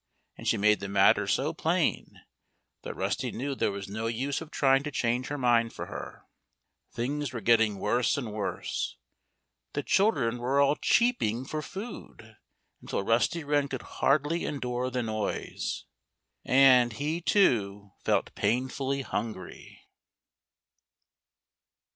And she made the matter so plain that Rusty knew there was no use of trying to change her mind for her. Things were growing worse and worse. The children were all cheeping for food, until Rusty Wren could hardly endure the noise. And he, too, felt painfully hungry.